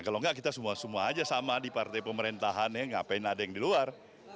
kalau enggak kita semua semua aja sama di partai pemerintahannya ngapain ada yang di luar